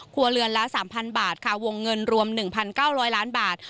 ครัวเรือนละ๓๐๐บาทค่ะวงเงินรวม๑๙๐๐ล้านบาท